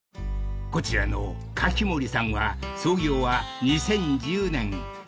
［こちらのカキモリさんは創業は２０１０年］